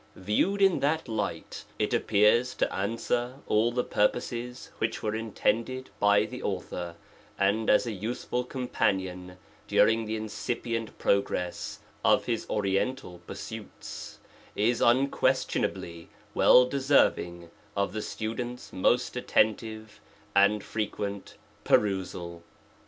VieWed in that light it appears to answer all the purposes which were intended by the author, and as a useful companion during the incipient progress of his oriental pursuits, is unquestionably well deserving of the student's most attentive and fre quent perusal.